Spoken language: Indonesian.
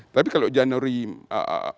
tapi kalau januari mei